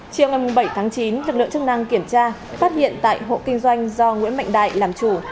chiều ngày bảy tháng chín lực lượng chức năng kiểm tra phát hiện tại hộ kinh doanh do nguyễn mạnh đại làm chủ